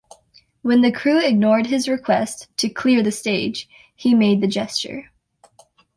When the crew ignored his request to "clear the stage", he made the gesture.